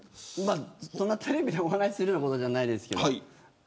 そんなテレビでお話するようなものじゃないですけど。